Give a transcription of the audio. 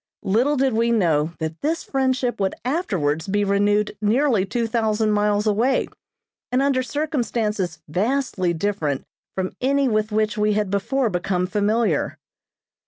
Little did we know that this friendship would afterwards be renewed nearly two thousand miles away, and under circumstances vastly different from any with which we had before become familiar.